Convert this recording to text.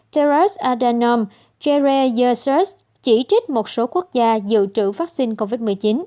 terence adenom jerry yersuch chỉ trích một số quốc gia dự trữ vaccine covid một mươi chín